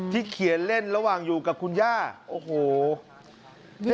เขียนเล่นระหว่างอยู่กับคุณย่าโอ้โห